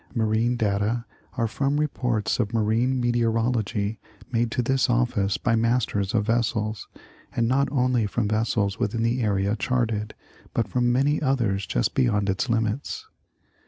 Marine data are from reports of marine meteorology made to this office by masters of vessels, and not only from vessels within the area charted, but from many others just beyond its limits.